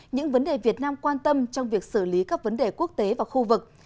những vấn đề việt nam quan tâm trong việc xử lý các vấn đề quốc tế và khu vực